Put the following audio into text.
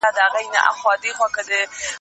ښوونې د ماشوم مهارتونه پياوړي کوي.